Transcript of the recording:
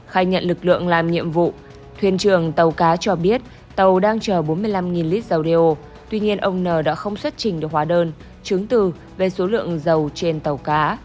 khai nhận lực lượng làm nhiệm vụ thuyền trường tàu cá cho biết tàu đang chờ bốn mươi năm lít dầu đeo tuy nhiên ông n đã không xuất trình được hóa đơn chứng từ về số lượng dầu trên tàu cá